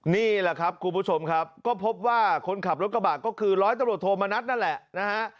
นี่แหละครับคุณผู้ชมครับก็พบว่าคนขับรถกระบะก็คือร้อยตำรวจโทมนัดนั่นแหละนะฮะ